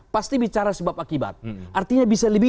pasti bicara sebab akibat artinya bisa lebih